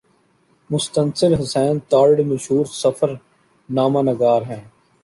مستنصر حسین تارڑ مشہور سفرنامہ نگار ہیں